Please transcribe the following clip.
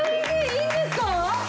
いいんですか？